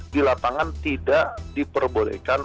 di lapangan tidak diperbolehkan